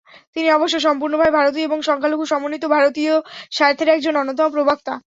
তিনি অবশ্য সম্পূর্ণভাবে ভারতীয় এবং সংখ্যালঘু সমন্বিত ভারতীয় স্বার্থের একজন অন্যতম প্রবক্তা।